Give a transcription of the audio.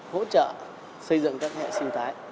hỗ trợ xây dựng các hệ sinh thái